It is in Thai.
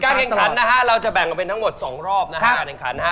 การแข่งขันนะฮะเราจะแบ่งเป็นทั้งหมด๒รอบนะฮะ